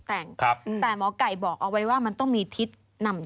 โต๊ะนี้วางเอาไว้เป็นจุดเป็นอะไรเลยนะ